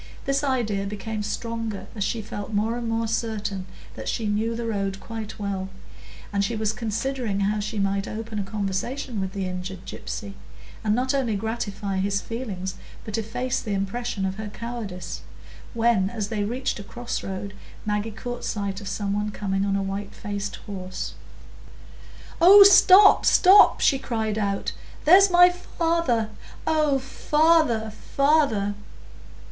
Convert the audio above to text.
This idea became stronger as she felt more and more certain that she knew the road quite well, and she was considering how she might open a conversation with the injured gypsy, and not only gratify his feelings but efface the impression of her cowardice, when, as they reached a cross road. Maggie caught sight of some one coming on a white faced horse. "Oh, stop, stop!" she cried out. "There's my father! Oh, father, father!"